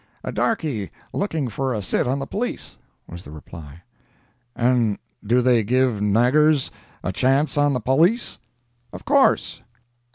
"A darkey looking for a sit on the Police," was the reply. "An' do they give nagurs a chance on the Polis?" "Of course."